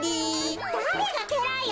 だれがけらいよ！